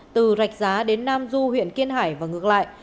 từ rạch giá đến nam du huyện kiên hải và ngược lại